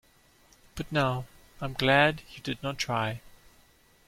But now, I’m glad you did not try.